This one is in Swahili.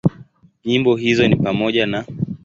Nyimbo hizo ni pamoja na;